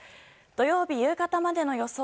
土曜日、夕方までの予想